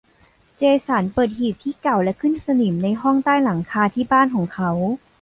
เจสันเปิดหีบที่เก่าและขึ้นสนิมในห้องใต้หลังคาที่บ้านของเขา